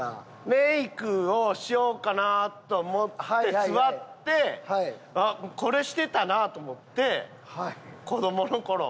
メイクをしようかなと思って座ってこれしてたなと思って子どもの頃。